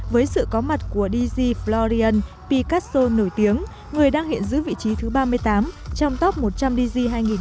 với sự có mặt của dj florian picasso nổi tiếng người đang hiện giữ vị trí thứ ba mươi tám trong top một trăm linh dj hai nghìn một mươi sáu